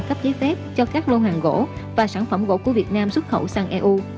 cấp giấy phép cho các lô hàng gỗ và sản phẩm gỗ của việt nam xuất khẩu sang eu